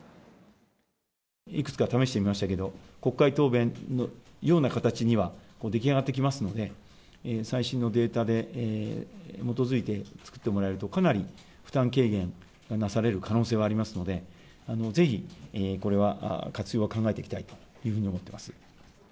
いくつか試してみましたけど、国会答弁のような形には出来上がってきますので、最新のデータで基づいて作ってもらえると、かなり負担軽減がなされる可能性がありますので、ぜひこれは活用は考えていきたいというふうに思ってます。